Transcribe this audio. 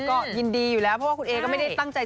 ก็ยินดีอยู่แล้วเพราะว่าคุณเอก็ไม่ได้ตั้งใจ